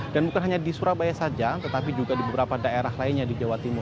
dan bukan hanya di surabaya saja tetapi juga di beberapa daerah lainnya di jawa timur